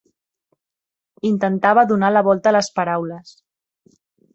Intentava donar la volta a les paraules.